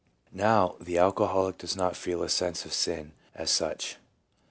Now, the alcoholic does not feel a sense of sin as such.